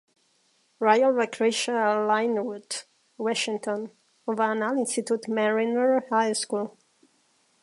Riall va créixer a Lynnwood, Washington, on va anar a l'institut Mariner High School.